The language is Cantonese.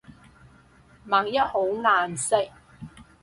萬一好難食